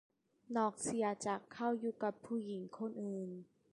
นอกเสียจากเขาอยู่กับผู้หญิงคนอื่น